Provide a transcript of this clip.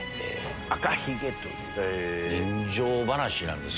『赤ひげ』という人情話なんです。